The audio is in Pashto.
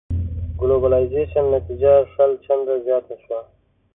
ګلوبلایزېشن نتيجه شل چنده زياته شوه.